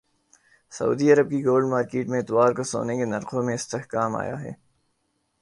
سعودی عرب کی gold market میں اتوار کو سونے کے نرخوں میں استحکام آیا ہے